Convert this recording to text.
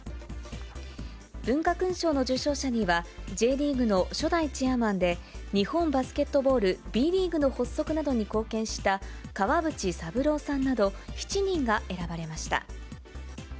文化勲章の受章者には、Ｊリーグの初代チェアマンで、日本バスケットボール、Ｂリーグの発足などに貢献した川淵三郎さんなど、７人が選ばれました。